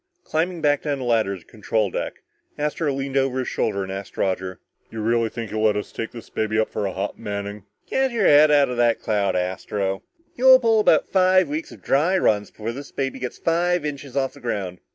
Climbing back down the ladder to the control deck, Astro leaned over his shoulder and asked Roger, "Do you really think he'll let us take this baby up for a hop, Manning?" "Get your head out of that cloud, Astro. You'll pull about three weeks of dry runs before this baby gets five inches off the ground."